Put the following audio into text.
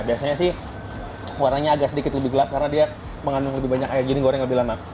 biasanya sih warnanya agak sedikit lebih gelap karena dia mengandung lebih banyak kayak gini goreng lebih lemak